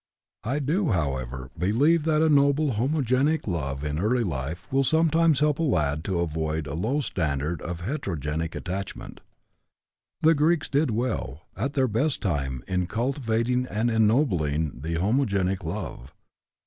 I do, however, believe that a noble homogenic love in early life will sometimes help a lad to avoid a low standard of heterogenic attachment. The Greeks did well, at their best time, in cultivating and ennobling the homogenic love.